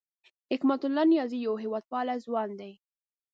حکمت الله نیازی یو هېواد پال ځوان دی